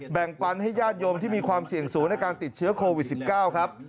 แบ่งปันให้ญาติโยมที่มีความเสี่ยงสูงในการติดเชื้อโควิด๑๙ครับ